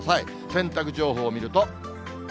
洗濯情報見ると。